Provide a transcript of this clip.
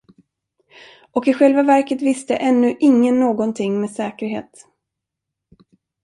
Och i själva verket visste ännu ingen någonting med säkerhet.